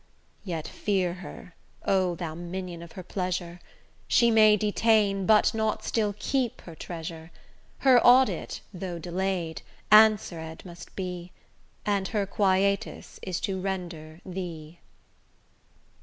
Yet fear her, O thou minion of her pleasure! She may detain, but not still keep, her treasure: Her audit (though delayed) answered must be, And her quietus is to render thee.